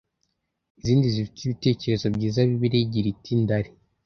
izindi zifite ibitekerezo byiza bibiliya igira iti ndaari